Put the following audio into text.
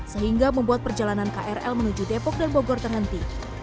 sehingga membuat perjalanan krl menuju depok dan bogor terhenti